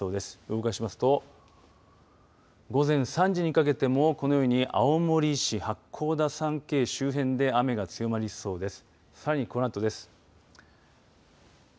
動かしますと午前３時にかけてもこのように青森市八甲田山系周辺で雨が強まりそうです。